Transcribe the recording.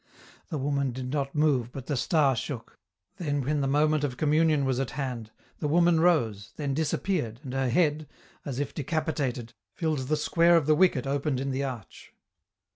The woman did not move but the star shook ; then when the moment of communion was at hand, the woman rose, then disappeared, and her head, as if de capitated, filled the square of the wicket opened in the arch.